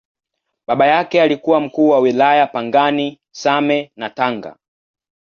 Baba yake alikuwa Mkuu wa Wilaya Pangani, Same na Tanga.